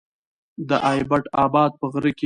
د ايبټ اباد په غره کې